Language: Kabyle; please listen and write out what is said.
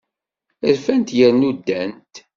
Rfant yernu ddant.